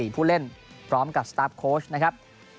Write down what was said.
ผู้เล่นพร้อมกับสตาร์ฟโค้ชนะครับ